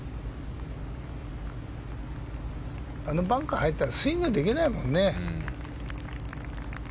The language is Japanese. あのバンカー入ったらスイングできないもんね。